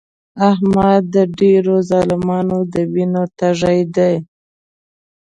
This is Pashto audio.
احمد د ډېرو ظالمانو د وینو تږی دی.